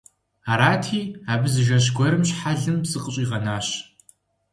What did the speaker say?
Арати, абы зы жэщ гуэрым щхьэлым зыкъыщӀигъэнащ.